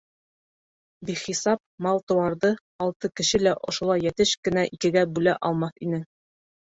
Бихисап мал-тыуарҙы алты кеше лә ошолай йәтеш кенә икегә бүлә алмаҫ ине.